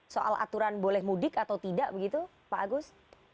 soal aturan boleh mudik atau tidak begitu pak agus